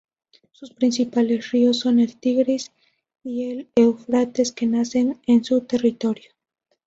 Sus principales ríos son el Tigris y el Éufrates, que nacen en su territorio.